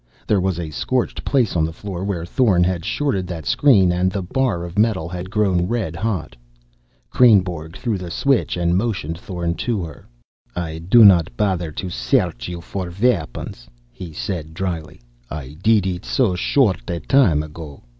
There was a scorched place on the floor where Thorn had shorted that screen and the bar of metal had grown red hot. Kreynborg threw the switch and motioned Thorn to her. "I do not bother to search you for weapons," he said dryly. "I did it so short a time ago.